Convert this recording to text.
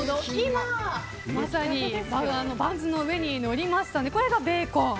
今、まさにバンズの上にのりましたベーコン。